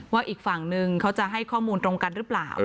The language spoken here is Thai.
อีกฝั่งนึงเขาจะให้ข้อมูลตรงกันหรือเปล่า